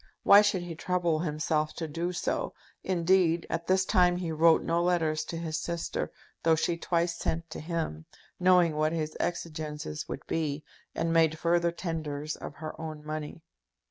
Why should he trouble himself to do so? Indeed, at this time he wrote no letters to his sister, though she twice sent to him, knowing what his exigencies would be, and made further tenders of her own money.